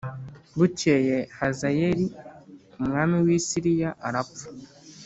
Bukeye Hazayeli umwami w i Siriya arapfa